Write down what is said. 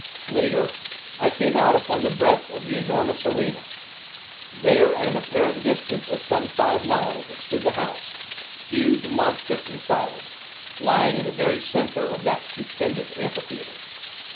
Later, I came out upon the breadth of the enormous arena. There, at an apparent distance of some five miles, stood the House, huge, monstrous and silent lying in the very center of that stupendous amphitheatre.